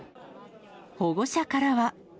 保護者からは。